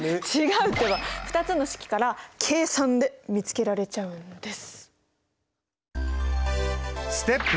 ２つの式から計算で見つけられちゃうんです。